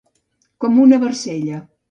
Com una barcella.